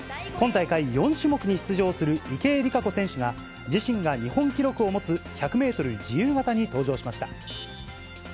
今大会、４種目に出場する池江璃花子選手が、自身が日本記録を持つ１００メートル自由形に登場しました。